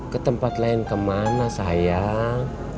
ke tempat lain kemana sayang